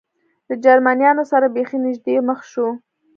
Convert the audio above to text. له جرمنیانو سره بېخي نږدې مخ شو.